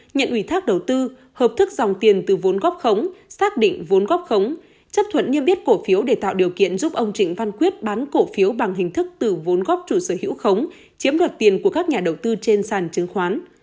nhận ủy thác đầu tư hợp thức dòng tiền từ vốn góp khống xác định vốn góp khống chấp thuận niêm yết cổ phiếu để tạo điều kiện giúp ông trịnh văn quyết bán cổ phiếu bằng hình thức từ vốn góp chủ sở hữu khống chiếm đoạt tiền của các nhà đầu tư trên sàn chứng khoán